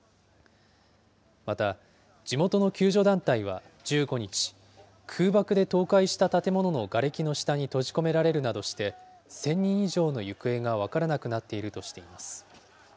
また、地元の救助団体は１５日、空爆で倒壊した建物のがれきの下に閉じ込められるなどして、１０００人以上の行方が分からなくなっているとしています。